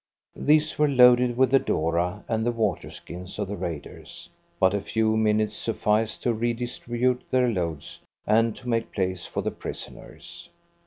These were loaded with the doora and the waterskins of the raiders, but a few minutes sufficed to redistribute their loads and to make place for the prisoners.